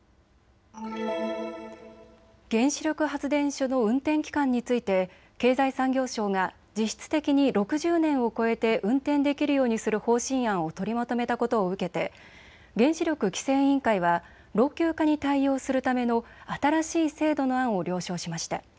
原子力発電所の運転期間について経済産業省が実質的に６０年を超えて運転できるようにする方針案を取りまとめたことを受けて原子力規制委員会は老朽化に対応するための新しい制度の案を了承しました。